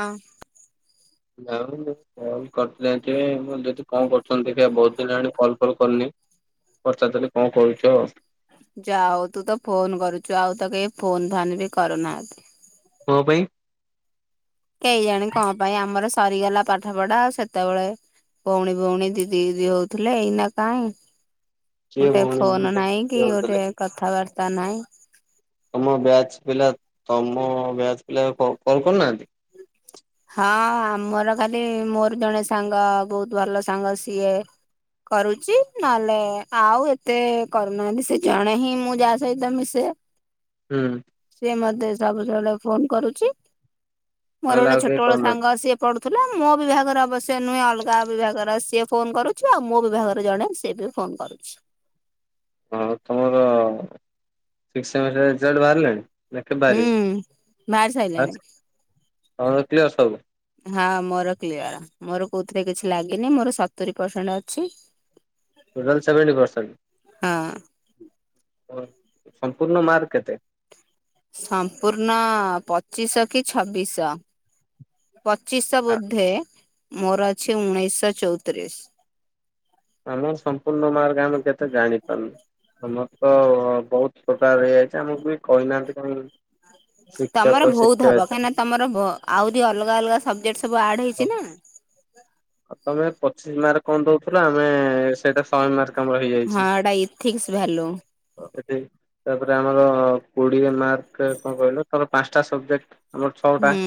ହଁ। ଆଉ କଲ୍ କରିଚେ ନା କେ ମୁଁ ଯଦି [unintelligible] କଣ କରୁଛନ୍ତି ଦେଖିଆ ବହୁତ୍ ଦିନ ହେଲାଣି କଲ୍ ଫଲ୍ କରିନି ପଚରିଦେଲି କଣ କରୁଛ ଆଉ? ଯାହା ହଉ ତୁ ତ ଫୋନ କରୁଛୁ ଆଉ ତ କେହି ଫୋନ୍ ଫାନ୍ ବି କରୁନାହାଁନ୍ତି। କଣ ପାଇଁ? କେଇ ଆଣି କଅଁ ପାଇଁ ଆମର ସରିଗଲା ପାଠ ପଢା ସେତେବେଳେ। ଭଉଣୀ ଭଉଣୀ ଦିଦି ଦିଦି ହଉଥିଲେ ଏଇନା କାଇଁ? କିଏ ଗୋଟେ ଭଉଣୀ ଭଉଣୀ ଫୋନ ନାହିଁ କେମିତି କି ହଉଥିଲେ ଗୋଟେ କଥାବାର୍ତ୍ତା ନାହିଁ। ତମ ବ୍ୟାଚ୍‌ ପିଲା ତମ ବ୍ୟାଚ୍ ପିଲା କ କଲ୍ କରୁନାହାନ୍ତି? ହୁଁ [unintelligible] ହଁ ଆମର ଖାଲି ମୋର ଜଣେ ସାଙ୍ଗ ବହୁତ ଭଲ ସାଙ୍ଗ ସିଏ କରୁଚି ନହେଲେ ଆଉ ଏତେ କରୁନାହାନ୍ତି ସେ ଜଣେ ହିଁ ମୁଁ ଯା ସହିତ ମିଶେ ଉୁଁ ସିଏ ମତେ ସବୁବେଳେ ଫୋନ କରୁଛି ମୋର ନହେଲେ ଗୋଟେ ଆଉ ଛୋଟ କେହି ବେଳ କରୁନାହାନ୍ତି। ସାଙ୍ଗ ସିଏ ପଢୁଥିଲା ମୋ ବିଭାଗର ଅବଶ୍ୟ ନୁହେଁ ଅଲଗା ବିଭାଗରେ ସିଏ ଫୋନ କରୁଛି ଆଉ ମୋ ବିଭାଗରେ ଜଣେ ସିଏ ବି ଫୋ ଫୋନ୍ କରୁଛି ହଁ ତମର [unintelligible] ର ରେଜଲଟ୍ ବାହାରିଲାଣି? ଦେଖି ହୁଁ। ବାହାରି ପାରିବ ସାରିଲାଣି ଆଚ୍ ତମର କ୍ଲ୍କିଅର ସବୁ? ହଁ ମୋର କ୍ଲ୍କିଅର ମୋର କୋଉଥିରେ କିଛି ଲାଗିନି ମୋର ସତୁରି ପରସେଣ୍ଟ ଅଛି ଟୋଟାଲି ହଁ। ସେଭେଣ୍ଟିପରସେଣ୍ଟ ଉ ସମ୍ପୂର୍ଣ ମାର୍କ କେତେ? ସମ୍ପୂର୍ଣ୍ଣ ପଚିଶ କି ଛବିଶ। ପଚିଶ ଆ ବୋଧେ ମୋର ଅଛି ଉଣେଇଶ ଚଉତିରିଶ। ଆମର ସମ୍ପୂର୍ଣ୍ଣ ମାର୍ଗ ଆମେ କେତେ ଜାଣିପାରୁନୁ। ଆମର ତ ବହୁତ ପ୍ରକାର ହେଇଯାଇଛି ଆମକୁ ବି କହିନାହାନ୍ତି କାଇଁ। ତମର ଶିକ୍ଷକ ବହୁତ ହବ ଶିକ୍ଷୟତ୍ରୀ କାହିଁକିନା ତମର ଆହୁରି ଅଲଗା ଅଲଗା ସବଜେକ୍ଟ ସବୁ ଆଡ଼େ ହେଇଛି ସବୁ। ନା। ଆଉ ତମେ ପଚିଶ ମାର୍କ କଣ ଦଉଥିଲ ଆମେ ସେଇଟା ଶହେ ମାର୍କ କାମ ହଁ ହେଇଯାଇଛି। ଏଇଟା ଇଥିକ୍ସ ଭାଲ୍ୟୁ ଏଠି ତାପରେ ଆମର କୋଡିଏ ମାର୍କରେ କଣ କହିଲ ଧର ପାଞ୍ଚଟା ସବଜେକ୍ଟ ଆମର ଛଅଟା ହୁଁ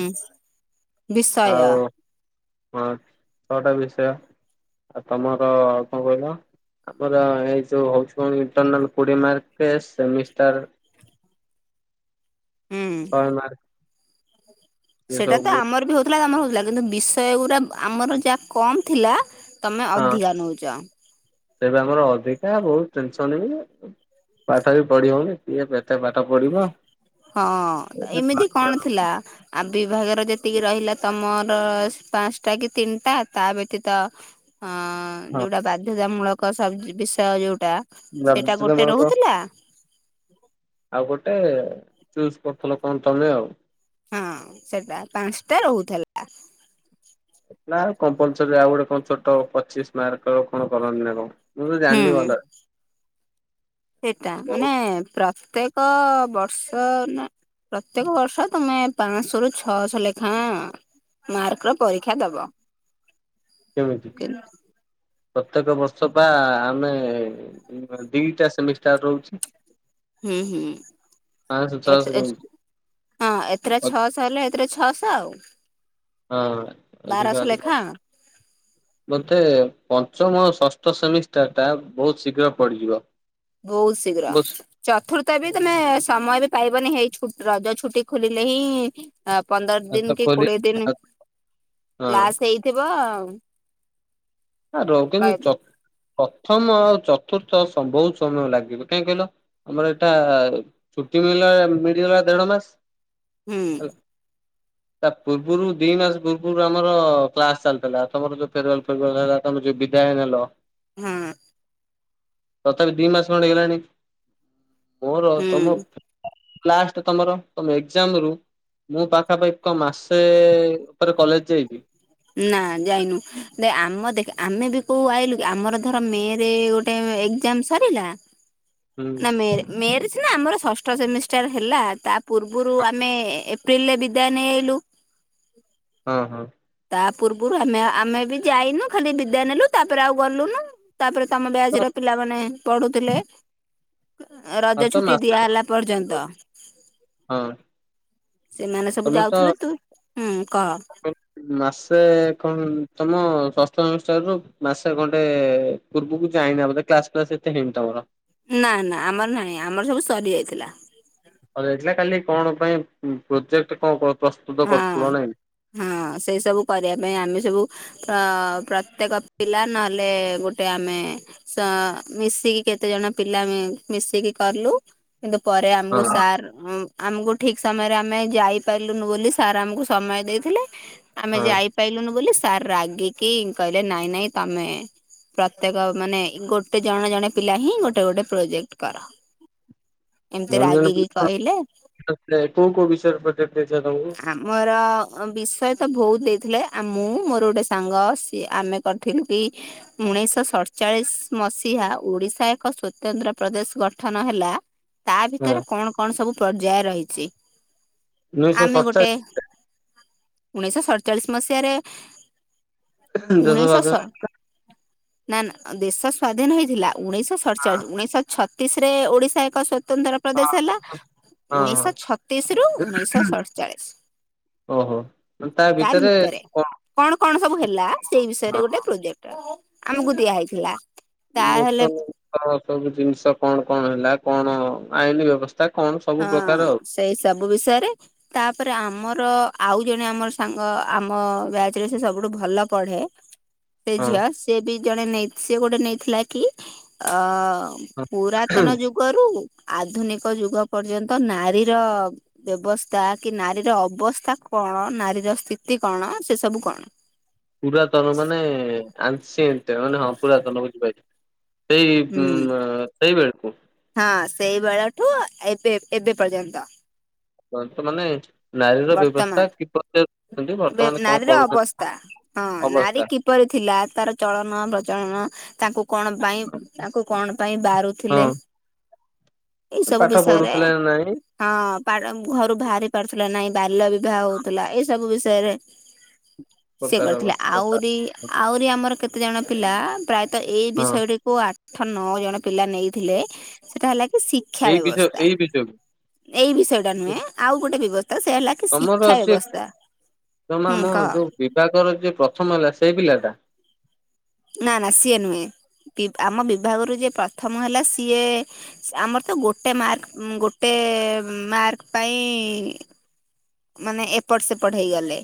ବିଷୟ ଆଉ ହଁ ଛଅଟା ବିଷୟ ଆଉ ତମର କଅଁ କହିଲ ଆମର ଏଇ ଯୋଉ ହଉଚି କଣଇଣ୍ଟରନାଲ କୋଡିଏ ମାର୍କ ସେମିଷ୍ଟାର ହୁଁ। ଶହେ ମାର୍କ। ଏ ସେଇଟା ସବୁ ତ ହଁ ଆମର ବି ହଉଥିଲା ତ ଆମର ହଉଥିଲା କିନ୍ତୁ ବିଷୟ ଉରା ଆମର ଯାହା କମ୍ ଥିଲା ତମେ ଅଧିକା ନଉଚ଼। ତେବେ ଆମର ଅଧିକା ବହୁତ ଟେନସନ ବି ପାଠ ବି ପଢ଼ି ହଉନି କିଏ ଏତେ ପାଠ ପଢ଼ିବ ହଁ ଏମିତି କଣ ଥିଲା? ଆ ବିିଭାଗର ଯେତିକି ରହିଲା ତମର ପାଞ୍ଚଟା କି ତିନିଟା ତା ବ୍ୟତୀତ ଅ ହଁ ଯୋଉଟା ବାଧ୍ୟତାମୂଳକ ସବ ବିଷୟ ଯୋଉଟା ସେଇଟା ଗୋଟେ ବାଧ୍ୟତାମୂଳକ ରହୁଥିଲା ଆଉ ଗୋଟେ ଚୁଜ କରୁଥିଲ କଣ ତମେ ଆଉ ହଁ ସେଟା ପାଞ୍ଚଟା ରେ ରହୁଥିଲା ତାର କମ୍ପଲସରୀ ଆଉ ଗୋଟେ କଣ ଛୋଟ ପଚିଶ ମାର୍କ କଣ କରନ୍ତି ନା କଣ? ମୁଁ ତ ଜାଣିନି ଭଲ ସେଇଟା ମାନେ ପ୍ରତ୍ୟେକ ବର୍ଷ ପ୍ରତ୍ୟେକ ବର୍ଷ ତମେ ପାଞ୍ଚଶହ ରୁ ଛଅଶହ ଲେଖା ମାର୍କ ର ପରୀକ୍ଷା ଦବ କେବେବି ହୁଁ ହେଇଚି ପ୍ରତ୍ୟେକ ବର୍ଷ ବା ଆମେ ଦିଟା ସେମିଷ୍ଟାର ରହୁଚି। ହୁଁ ହୁଁ ପାଞ୍ଚଶହ ଛଅଶହ ଏଠି ଏ କେମିତି ହଁ ଏଥିରେ ହଁ ଛଅଶହ ହେଲେ ଏଥିରେ ଛଅଶହ ଆଉ। ହଁ ଏଟିକେ ବାରଶହ ଅଧ୍ୟିକ। [inaudible] ମୋତେ ପଞ୍ଚମ ଷଷ୍ଠ ସେମିଷ୍ଟାରଟା ବହୁତ୍ ଶୀଘ୍ର ପଡ଼ିଯିବ। ବହୁତ୍ ଶିଘ୍ର। ଚତୁର୍ଥବି ତମେ ସମୟବି ପାଇବନି ହେଇ ରଜ ଛୁଟି ଖୋଲିଲେହିଁ ଅ ପନ୍ଦର ହାତ ଦିନ କି ଖୋଲି କୋଡ଼ିଏ ଦିନି କ୍ଲାସ୍ ହେଇଥିବ ଆଉ ଆ ରହୁ କିନ୍ତୁ ଚ ପ୍ରଥମ ଆଉ ଚତୁର୍ଥ ବହୁତ୍ ସମୟ ଲାଗିବ କାହିଁକି କହିଲ ଆମର ଏଇଟା ଛୁଟି ମିଳଲା ମିଳିଗଲା ଦେଢ ମାସ୍ ହୁଁ [inaudible] ତା ପୂର୍ବରୁ ଦିମାସେ ପୂର୍ବରୁ ଆମର କ୍ଲାସ୍ ଚାଲିଥିଲା ତମର ଯୋଉ ଫେରୱଲ ଫେରୱଲ ଥିଲା ତମେ ଯଉ ବିଦାୟ ନେଲ ହୁଁ। ତଥାପି ଦିମାସ ଖଣ୍ଡେ ହେଇଗଲାଣି ମୋର ହୁଁ ତମ ଲାଷ୍ଟେ ତମର ତମ ଏକ୍ଜାମ୍ ରୁ ମୁଁ ପାଖାପାଖିତ ମାସେ ଉପରେ କଲେଜ୍ ଯାଇଚି। ନା ଯାଇନୁ ଦେଖେ ଆମ ଦେଖ ଆମେବି କୋଉ ଆଇଲୁକି ଆମର ଧର ମେରେ ଗୋ ଗୋଟେ ଏଗ୍ଜାମ୍ ସରିଲା ହୁଁ ନା ମେରେ ମେରେ ସିନା ଆମର ଷଷ୍ଠ ସେମିଷ୍ଟାର ହେଲା ତାପୂର୍ବରୁ ଆମେ ଏପ୍ରିଲରେ ବିଦାୟ ନେଇ ଆଇଲୁ ହଁ ହଁ। ତା ପୂର୍ବରୁ ଆମେ ଆମେବି ଯାଇନୁ ଖାଲି ବିଦାୟ ନେଲୁ ତାପରେ ଆଉ ଗଲୁନୁ ତାପରେ ତମ ବ୍ୟାଚ୍ ର ପିଲାମାନେ ପଢୁଥିଲେ ଆଉ ରଜ ତ ଛୁଟି ମାସେ ଦିଆହେଲା ପର୍ଯ୍ୟନ୍ତ ହଁ ସେମାନେ ସବୁ ତମେ ତ ଯାଉଥିଲେୁ ତୁ ହୁଁ କହ? ମାସେ ଖନ୍ ତମ ଷଷ୍ଠ ସେମିଷ୍ଟରର ମାସେ ଖଣ୍ଡେ ପୂର୍ବକୁ ଯାଇନା ବୋଧେ କ୍ଲାସ୍ ଫ୍ଲାସ୍ ଏତେ ହେଇନି ତମର? ନା ନା ଆମର ନାହିଁ ଆମର ସବୁ ସରି ଯାଇଥିଲା। ସରିଯାଇଥିଲା ଖାଲି କଣ ପାଇଁ ପ୍ରୋଜେକ୍ଟ କଣ ପ୍ରସ୍ତୁତ ହଁ। କରୁଥିବ ନାଇଁ? ହଁ ସେଇ ସବୁ କରିବା ପାଇଁ ଆମେ ସବୁ ପ୍ର ପ୍ରତ୍ୟେକ ପିଲା ନହେଲେ ଗୋଟେ ଆମେ ସ ମିଶିକି କେତେ ଜଣ ପିଲା ମିଶିକି କଲୁ କିନ୍ତୁ ପରେ ହଁ ଆମକୁ ସାର୍ ଆମକୁ ଠିକ୍ ସମୟରେ ଆମେ ଯାଇପାରିଲୁ ନୁ ବୋଲି ସାର୍ ଆମକୁ ସମୟ ଦେଇଥିଲେ ଆମେ ହଁ ଯାଇ ପାରିଲୁନୁ ବୋଲି ସାର୍ ରାଗିକି କହିଲେ ନାଇଁ ନାଇଁ ତମେ ପ୍ରତ୍ୟେକ ମାନେ ଗୋଟେ ଜଣେ ଜଣେ ପିଲାହିଁ ଗୋଟେ ଗୋଟେ ପ୍ରୋଜେକ୍ଟ କର। ଏମିତି ଜଣେ ଜଣେ ରାଗିକି ପିଲା କହିଲେ ମାନେ କୋଉ କୋଉ ବିଷୟରେ ପ୍ରୋଜେକ୍ଟ ଦେଇଥିଲେ ତମକୁ? ଆମର ବିଷୟତ ବହୁତ୍ ଦେଇଥିଲେ ଆ ମୁଁ ମୋର ଗୋଟେ ସାଙ୍ଗ ସିଏ ଆମେ କରିଥିଲୁ କି ଉଣେଇଶହ ସଚାଳିଶି ମସିହା ଓଡ଼ିଶା ଏକ ସ୍ଵତନ୍ତ୍ର ପ୍ରଦେଶ ଗଠନ ହେଲା ହଁ ତାଭିତରେ କଣ କଣ ସବୁ ପର୍ଯ୍ୟାୟ ରହିଚି ଉଣେଇଶହ ଆମେ ଗୋଟେ ସତଚାଳିଶ ଉଣେଇଶଶହ ସତଚାଳିଶ ମସିହାରେ ଦେଶ ଉଣେଇଶ ଶ ସ୍ୱାଧୀନ ନା ନା ଦେଶ ସ୍ଵାଧୀନ ହେଇଥିଲା ଉଣେଇଶ ସତଚାଳିଶ ଉଣେଇଶହ ଛତିଶିରେ ଓଡ଼ିଶା ଏକ ସ୍ଵତନ୍ତ୍ର ପ୍ରଦେଶ ହଁ ହେଲା ହଁ ହଁ ଉଣେଇଶହ ଛତିଶିରୁ ଉଣେଇଶହ ଅଠଚାଳିଶି ଓହୋ। ତା ଭିତରେ କଣ କଣ ସବୁ ହେଲା ସେଇ ବିଷୟରେ ଗୋଟେ ପ୍ରୋଜେକ୍ଟ ଆମକୁ ଦିଆ ହେଇଥିଲା ତାହେଲେ ନୂତନ ସବୁ ଜିନିଷ କଣ କଣ ହେଲା କଣ ଆଇନ ବ୍ୟବସ୍ଥା କଣ ସବୁ ପ୍ରକାର ହଁ ସେଇ ସବୁ ବିଷୟରେ ତାପରେ ଆମର ଆଉ ଜଣେ ଆମର ସାଙ୍ଗ ଆମ ବ୍ୟାଚରେ ସେ ସବୁଠୁ ଭଲ ପଢେ ସେ ଆଉ ଝିଅ ସେ ବି ଜଣେ ନେଇ ସିଏ ଗୋଟେ ନେଇଥିଲା କି ଅ ହଁ। ପୁରାତନ ଯୁଗରୁ ଆଧୁନିକ ଯୁଗ ପର୍ଯ୍ୟନ୍ତ ନାରୀର ବ୍ୟବସ୍ଥା କି ନାରୀର ଅବସ୍ଥା କଣ ନାରୀର ସ୍ଥିତି କଣ ସେ ସବୁ କଣ ପୁରାତନ ମାନେ ଆନସିଏଣ୍ଟ ମାନେ ହଁ ପୁରାତନ ବୁଝିପାରିଲି ସେଇ ହୁଁ ସେଇ ବେଳଠୁ ହଁ ସେଇ ବେଳଠୁ ଏବେ ଏବେ ପର୍ଯ୍ୟନ୍ତ ଵର୍ତ୍ତ ମାନେ ନାରୀ ର ବର୍ତ୍ତମାନ ବ୍ୟବସ୍ଥା କିପରି ଅଛନ୍ତି ବେ ବର୍ତ୍ତମାନ କଣ ନାରୀର କରୁଛନ୍ତି ଅବସ୍ଥା ହଁ ନାରୀ ଅବସ୍ଥା କି କିପରି ଥିଲା ତାର ଚଳନ ପ୍ରଚଳନ ତାକୁ କଣ ପାଇଁ ତାକୁ କଣ ପାଇଁ ହଁ। ବାରୁଥିଲେ ଏଇ ସବୁ ପାଠ ବିଷୟରେ ପଢୁଥିଲେ ନା ନାଇଁ ହଁ ଘରୁ ବାହାରି ପାରୁଥିଲା ନାଇଁ ବାଲ୍ୟ ବିବାହ ହଉଥିଲା ଏ ସ ସବୁ ବିଷୟରେ ସିଏ ପ୍ରକାର କରିଥିଲେ କଥା ଆହୁରି ଆହୁରି ଆମର କେତେଜଣ ପିଲା ପ୍ରାୟତଃ ଏଇ ହଁ ବିଷୟଟି କୁ ଆଠ ନଅ ଜଣ ପିଲା ନେଇଥିଲେ ସେଇଟା ହେଲା କି ଶିକ୍ଷା ଏଇ ବିଷୟ ବ୍ୟବସ୍ଥା ଏଇ ବିଷୟକୁ ଏଇ ବିଷୟ ଟା ନୁହେଁ ଆଉ ଗୋଟେ ବ୍ୟବସ୍ଥା ସେ ହେଲା କି ତମର ଶିକ୍ଷା ଯେ ବ୍ୟବସ୍ଥା ତମ ହୁଁ ଆମ କହ ଯୋଉ ବିଭାଗର ଯ ପ୍ରଥମ ହେଲା ସେଇ ପିଲା ଟା ନା ନା ସିଏ ନୁହେଁ ଆମ ବିଭାଗରୁ ଯେ ପ୍ରଥମ ହେଲା ସିଏ ଆମର ତ ଗୋଟେ ମାର୍କ ଗୋଟେ ମାର୍କ ପାଇଁ ମାନେ ଏପଟ ସେପଟ ହେଇଗଲେ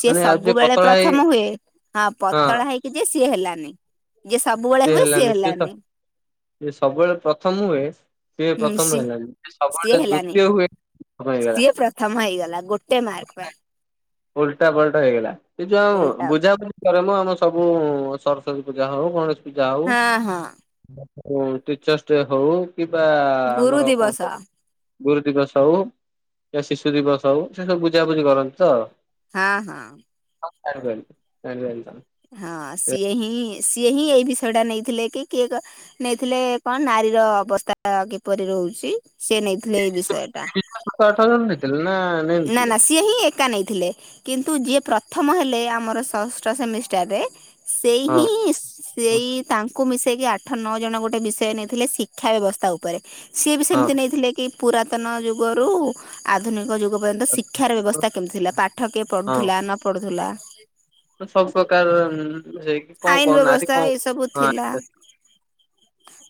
ଯିଏ ମାନେ ଆଉ ସବୁବେଳେ ପତଳା ହେଇ ପ୍ରଥମ ହୁଏ ହଁ ପତଳା ହେଇକି ଯେ ସିଏ ହେଲାନି ଯିଏ ସବୁବେଳେ ହୁଏ ସିଏ ହେଲାନି ସେ ସବୁବେଳେ ପ୍ରଥମ ହୁଏ ସିଏ ହୁଁ ପ୍ରଥମ ସି ହେଲାଣି ଯିଏ ସିଏ ସବୁବେଳେ ହେଲାନି ଦ୍ଵିତୀୟ ହୁଏ ସିଏ ହେଇଗଲା ସିଏ ପ୍ରଥମ ହେଇଗଲା ଗୋଟେ ମାର୍କ ପାଇଁ ଉଲଟା ପାଲଟା ହେଇଗଲା ସେ ଯୋଉ ଆଉ ଓଲଟା ବୁଝାୁଝ ରେ ମ ଆମ ସବୁ ସରସ୍ଵତୀ ପୂଜା ହଉ ଗଣେଶ ପୂଜା ହଉ ହଁ ହଁ ହ ଟିଚର୍ସ ଡେ ହଉ କିମ୍ବା ଗୁରୁ ଆମର କଣ ଦିବସ କ ଗୁରୁ ଦିବସ ହଉ ଶିଶୁ ଦିବସ ହଉ ସେ ସବୁ ବୁଝାବୁଝି କରନ୍ତି ତ ହଁ ହଁ ହଁ ଜାଣିପାଇଲୁ ଜାଣି ପାଇଲୁ ହଁ ସିଏ ହିଁ ସିଏ ହିଁ ଏଇ ବିଷୟ ଟା ନେଇଥିଲେ କି କିଏ ନେଇଥିଲେ କଣ ନାରୀର ଅବସ୍ଥା କିପରି ରହୁଛି ସେ ନେଇଥିଲେ ଏଇ ବିଷୟ ଟା ସାତ ଆଠଜଣ ନେଇଥିଲେ ନା ନା ନେଇନଥିଲେ ନା ସ୍ ସିଏ ହିଁ ଏକା ନେଇଥିଲେ କିନ୍ତୁ ଯିଏ ପ୍ରଥମ ହେଲେ ଆମର ଷଷ୍ଠ ସେମିଷ୍ଟାରରେ ସେଇ ହଁ ହିଁ ସ୍ ସେଇ ତାଙ୍କୁ ମିଶେଇକି ଆଠ ନଅ ଜଣ ଗୋଟେ ବିଷୟ ନେଇଥିଲେ ଶିକ୍ଷା ବ୍ୟବସ୍ଥା ଉପରେ ସିଏ ବି ହଁ ସେମିତି ନେଇଥିଲେ କି ପୁରାତନ ଯୁଗରୁ ଆଧୁନିକ ଯୁଗ ପର୍ଯ୍ୟନ୍ତ ଶିକ୍ଷାର ବ୍ୟବସ୍ଥା କେମିତି ଥିଲା ପାଠ କିଏ ହଁ ପଢ଼ୁଥିଲା ନ ପଢ଼ୁଥିଲା ସବୁ ପ୍ରକାର ସେ ଆଇନ କଣ ଆଦ ବ୍ୟବସ୍ଥା ଏଇ ସବୁ କଣ ଥିଲା। ହଁ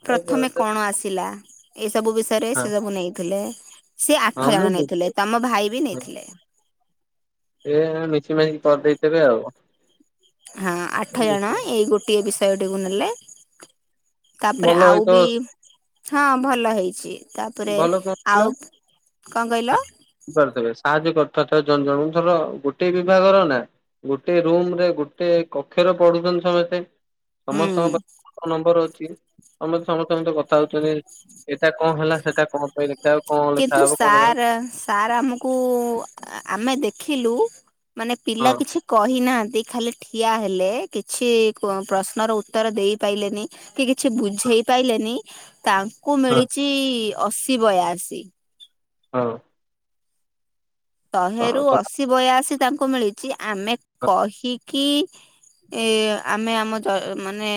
ପ୍ରଥମେ କଣ ଆସିଲା ଏଇ ସବୁ ବିଷୟରେ ସେ ହଁ ସବୁ ନେଇଥିଲେ ସେ ହଁ ଆଠ ମୁଁ ଜଣ ନେଇଥିଲେ ତମ ଭାଇ ବି ନେଇଥିଲେ। ଏ ମିଶି ମାଶ କରିଦେଇ ଥିବେ ଆଉ। ହଁ ଆଠ ଜଣ ଏଇ ଗୋଟିଏ ବିଷୟଟିକୁ ନେଲେ ତାପରେ ଭଲ ଆଉ ହେଇତ ବି ହଁ ଭଲ ହେଇଛି ତାପରେ ଭଲ ଆଉ କ ଣ କହିଲ? ପିବେ ସାହାଯ୍ୟ କରିଥି ବେ ଜନ ଜଣଙ୍କୁ ଧର ଗୋଟେ ବିଭାଗର ନା ଗୋଟେ ରୁମ ରେ ଗୋଟେ କକ୍ଷର ପଢୁଛନ୍ତି ସମସ୍ତେ ହୁଁ ସମସ୍ତଙ୍କ ପାଖ ନମ୍ବର ଅଛି ତମେ ସମସ୍ତଙ୍କ ସ କଥା ଉଛନ୍ତି ଏଇଟା କଣ ହେଲା ସେଇଟା କଣ ପାଇଁ ଲେଖାହବ କଣ କିନ୍ତୁ ଲେଖା ହବ କଣ ଲେଖା ହବ ସାର୍ ସାର୍ ଆମକୁ ଆମେ ଦେଖିଲୁ ମାନେ ପିଲା ହଁ କିଛି କହିନାହାନ୍ତି ଖାଲି ଠିଆ ହେଲେ କିଛି ପ୍ରଶ୍ନର ଉତ୍ତର ଦେଇପାରିଲନି କି କିଛି ବୁଝେଇ ପାରଲେନି ତା କୁ ହଁ ମିଳିଛି ଅଶୀ ବୟାଅଶୀ। ହଁ। ଶହେରୁ ହଁ ତ ଅଶୀ ବୟାଶୀ ତାଙ୍କୁ ମିଳିଛି ଆମେ କହିକି ଏ ଆମେ ଆମ ମାନେ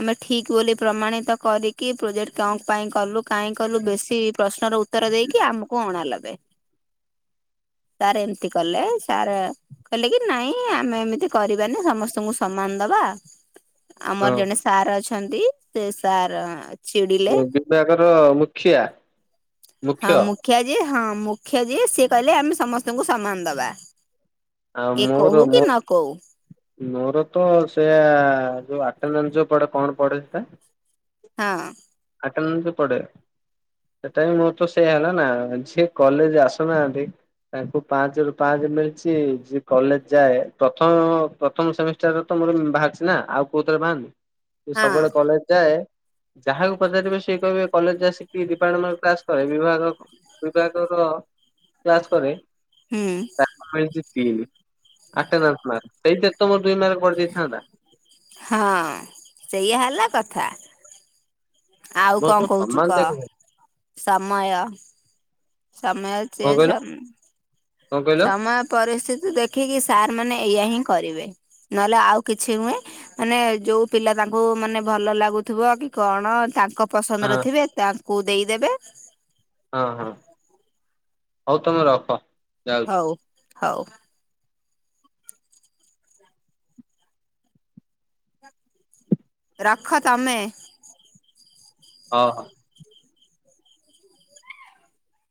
ଆମେ ଠିକ ବୋଲି ପ୍ରମାଣିତ କରି କି ପ୍ରୋଜେକ୍ଟ କଣ ପାଇଁ କଲୁ କାହିଁ କଲୁ ବେଶୀ ପ୍ରଶ୍ନର ଉତ୍ତର ଦେଇକି ଆମକୁ ଅଣା ଲବେ। ସାର ଏମିତି କଲେ ସାର କହିଲେ କି ନାଇଁ ଆମେ ଏମିତି କରାନି ସମସ୍ତଙ୍କୁ ସମାନ ଦବା ଆମର ଜଣେ ହଁ ସାର୍ ଅଛନ୍ତି ସେ ସାର୍ ଚିଡିଲେ ବିଭକର ମୁଖିଆ। ହଁ ମୁଖ୍ୟ ମୁଖିଆଜୀ ହଁ ମୁଖିଜୀ ସେ କହିଲେ ଆମେ ସମସ୍ତଙ୍କୁ ସମାନ ଦବା ଆଉ କି ମୋର କହୁ କି ମୋ ନ କହୁ। ମୋର ତ ସେ ଯେଉ ଆଟେଣ୍ଡାନ୍ସ ଯେଉଁ ପଡ଼େ କଣ ପଡ଼େ ସେଇଟା? ହଁ। ଆଟଣନ୍ତି ପଡେ ସେଟା ବି ମୋର ତ ସେଇଆ ହେଲା ନା ଯିଏ କଲେଜ ଆସୁନାହାନ୍ତି ତାଙ୍କୁ ପାଞ୍ଚ ରୁ ପାଞ୍ଚ ମିଳିଛି ଯିଏ କଲେଜ ଯାଏ ପ୍ରଥମ ପ୍ରଥମ ସେମିଷ୍ଟାର ତ ମୋର ବାହାରି ନା ଆଉ କୋଉ ଥରେ ବାହନ୍ତିି ହ ସବୁବେଳେ କଲେଜ ଯାଏ ଯାହାକୁ ପଚାରିବେ ସିଏ କହିବେ କଲେଜ ଆସିକି ଡିପାର୍ଟମେଣ୍ଟ କ୍ଲାସ କରେ ବିଭାଗ ବିଭାଗର କ୍ଲାସ କରେ ହୁଁ ତାକୁ ମିଳିଛି ତିନି ଆଟନାସ୍ ମାର୍କ, ସେଇଥି ତମର ଦୁଇ ମାର୍କ ବଢ଼ି ଯାଇଥାନ୍ତା। ହଁ ସେଇଆ ହେଲା କଥା। ଆଉ କଣ ସମସ୍ତଙ୍କୁ କହୁଛୁ ସମାନ କ ଦେଖ କଣ ସମୟ ସମୟ ସେସ କହିଲ କଣ କହିଲ ସମୟ ପରିସ୍ଥିତି ଦେଖିକି ସାର୍ ମାନେ ଏଇଆ ହିଁ କରିବେ ନହେଲେ ଆଉ କିଛି ହୁଏ ମାନେ ଯୋଉ ପିଲା ତାଙ୍କୁ ମାନେ ଭଲ ଲାଗୁଥିବ କି କଣ ତାଙ୍କ ହଁ ପସନ୍ଦରଥିବେ ତାଙ୍କୁ ଦେଇଦେବେ ହଁ ହଁ ହଉ ତମେ ରଖ। ଯାଉଛି ହଉ ହଉ। ରଖ ତମେ? ହ ହ।